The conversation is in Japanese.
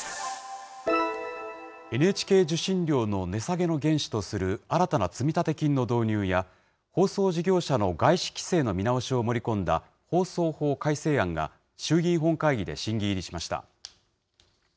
ＮＨＫ受信料の値下げの原資とする新たな積立金の導入や、放送事業者の外資規制の見直しを盛り込んだ放送法改正案が衆議院本会議で審議入りしました。